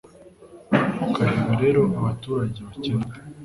Ntukarebe rero abaturage bakennye